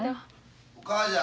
・お母ちゃん。